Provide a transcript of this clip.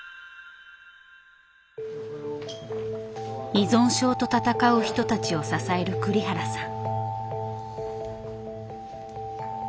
依存症と闘う人たちを支える栗原さん。